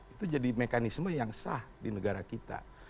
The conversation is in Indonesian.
itu jadi mekanisme yang sah di negara kita